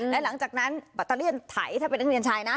แล้วหลังจากนั้นระบัตรเลี่ยนถ่ายถ้าเป็นนักเรียนชายนะ